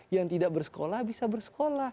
yang tidak bersekolah bisa bersekolah